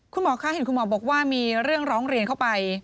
คุณหมอคะเห็นคุณหมอบอกว่ามีเรื่องร้องเรียนเข้าไป